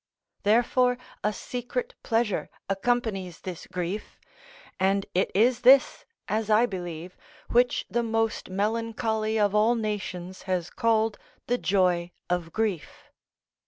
Therefore a secret pleasure accompanies this grief, and it is this, as I believe, which the most melancholy of all nations has called "the joy of grief."